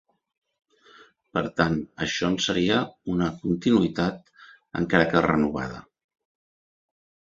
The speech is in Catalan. Per tant això en seria una continuïtat, encara que renovada.